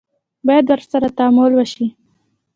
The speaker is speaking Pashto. باید ورسره تعامل وشي.